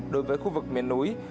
đối với khu vực miền núi